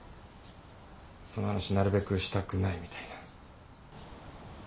その話なるべくしたくないみたいな。